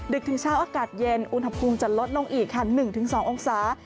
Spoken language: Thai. ถึงเช้าอากาศเย็นอุณหภูมิจะลดลงอีกค่ะ๑๒องศา